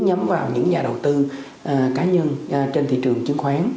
nhắm vào những nhà đầu tư cá nhân trên thị trường chứng khoán